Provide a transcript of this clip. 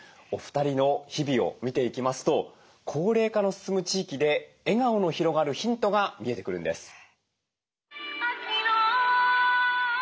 お二人の日々を見ていきますと高齢化の進む地域で笑顔の広がるヒントが見えてくるんです。